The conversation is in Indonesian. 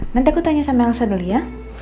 nanti aku tanya sama elsa dulu ya